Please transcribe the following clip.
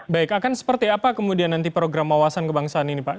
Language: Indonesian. baik akan seperti apa kemudian nanti program wawasan kebangsaan ini pak